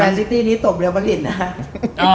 แมนซิตี้นี้ตบเหลือเมลินนะ